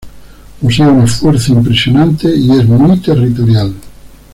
Posee una fuerza impresionante y es muy territorial.